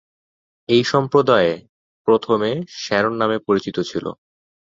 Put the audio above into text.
এই সম্প্রদায় প্রথমে শ্যারন নামে পরিচিত ছিল।